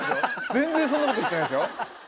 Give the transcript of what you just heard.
全然そんなこと言ってないですよ。